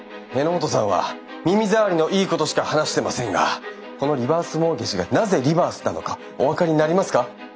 榎本さんは耳ざわりのいいことしか話してませんがこのリバースモーゲージがなぜリバースなのかお分かりになりますか？